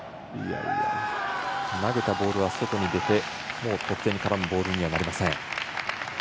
投げたボールは外に出て得点に絡むボールにはなりません。